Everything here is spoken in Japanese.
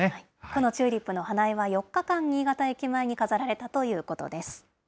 このチューリップの花絵は、４日間、新潟駅前に飾られたとい